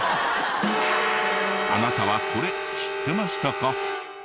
あなたはこれ知ってましたか？